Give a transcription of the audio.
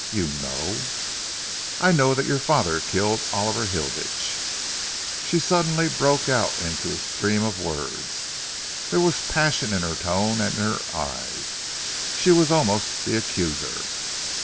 "You know " "I know that your father killed Oliver Hilditch." She suddenly broke out into a stream of words. There was passion in her tone and in her eyes. She was almost the accuser.